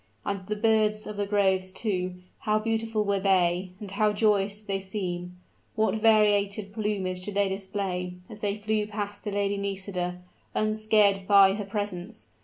And the birds of the groves, too, how beautiful were they, and how joyous did they seem! What variegated plumage did they display, as they flew past the Lady Nisida, unscared by her presence!